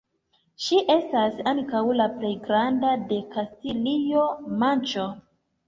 Ĝi estas ankaŭ la plej granda de Kastilio-Manĉo.